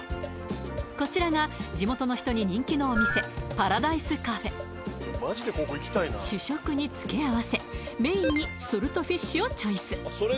こちらが地元の人に人気のお店主食に付け合わせメインにソルトフィッシュをチョイス